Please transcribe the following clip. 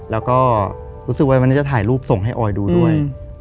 แล้วก็รู้สึกว่าวันนี้จะถ่ายรูปส่งให้ออยดูด้วย